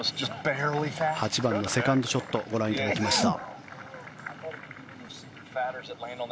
８番のセカンドショットご覧いただきました。